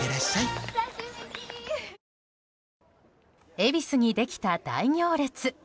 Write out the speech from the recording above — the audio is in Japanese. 恵比寿にできた大行列。